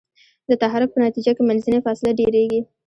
د تحرک په نتیجه کې منځنۍ فاصله ډیریږي.